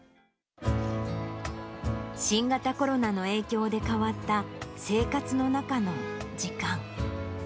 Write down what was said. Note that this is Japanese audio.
新型コロナの影響で変わった、生活の中の時間。